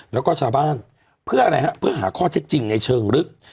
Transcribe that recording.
แล้วก็ชาวบ้านเพื่ออะไรฮะเพื่อหาข้อเท็จจริงในเชิงลึก